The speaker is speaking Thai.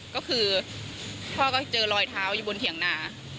ก็คือพ่อก็เจอรอยเท้าอยู่บนเถียงนา